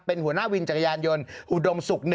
เป็นหัวหน้าวินจักรยานยนต์อุดมศุกร์๑